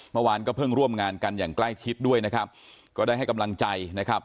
เมื่อวานก็เพิ่งร่วมงานกันอย่างใกล้ชิดด้วยนะครับก็ได้ให้กำลังใจนะครับ